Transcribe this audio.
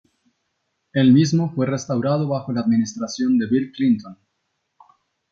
El mismo fue restaurado bajo la administración de Bill Clinton.